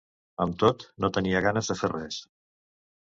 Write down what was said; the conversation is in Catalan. Amb tot, no tenia ganes de fer res.